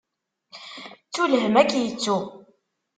Ttu lhemm, ad k-ittu.